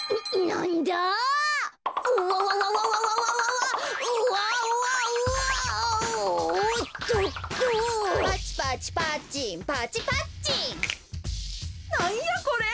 なんやこれ？